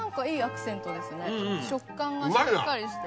食感がしっかりして。